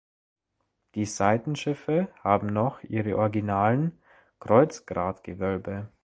Die Seitenschiffe haben noch ihre originalen Kreuzgratgewölbe.